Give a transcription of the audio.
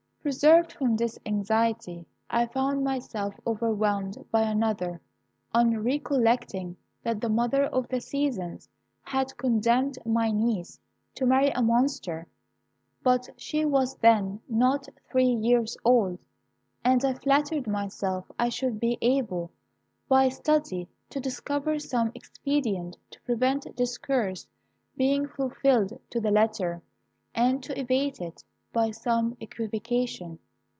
"Preserved from this anxiety, I found myself overwhelmed by another, on recollecting that the Mother of the Seasons had condemned my niece to marry a monster; but she was then not three years old, and I flattered myself I should be able, by study, to discover some expedient to prevent this curse being fulfilled to the letter, and to evade it by some equivocation.